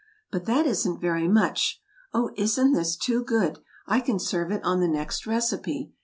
But that isn't very much. Oh, isn't this too good? I can serve it on the next recipe.